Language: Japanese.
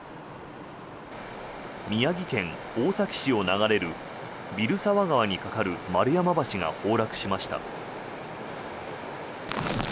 宮城県大崎市を流れる蛭沢川に架かる丸山橋が崩落しました。